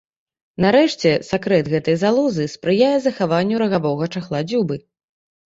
Нарэшце, сакрэт гэтай залозы спрыяе захаванню рагавога чахла дзюбы.